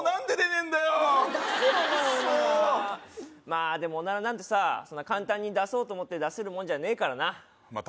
まあでもオナラなんてさそんな簡単に出そうと思って出せるもんじゃねえからなまあ